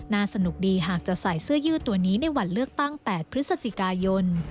สนุกดีหากจะใส่เสื้อยืดตัวนี้ในวันเลือกตั้ง๘พฤศจิกายน